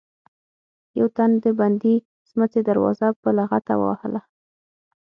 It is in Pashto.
يو تن د بندې سمڅې دروازه په لغته ووهله.